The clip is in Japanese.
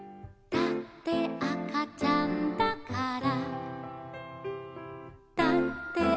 「だってあかちゃんだから」